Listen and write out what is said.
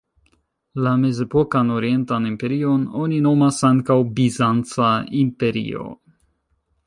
La Mezepokan Orientan Imperion oni nomas ankaŭ Bizanca imperio.